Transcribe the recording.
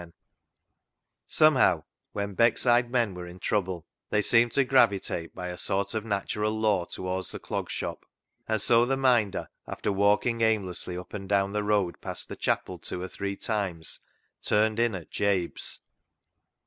170 CLOG SHOP CHRONICLES Somehow, when Beckside men were in trouble, they seemed to gravitate by a sort of natural law towards the Clog Shop, and so the Minder, after walking aimlessly up and down the road past the chapel two or three times, turned in at Jabe's.